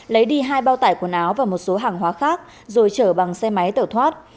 lấy đi hai bao tải quần áo và một số hàng hóa khác rồi chở bằng xe máy tẩu thoát